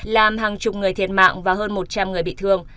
làm hàng chục người thiệt mạng và hơn một trăm linh người bị thương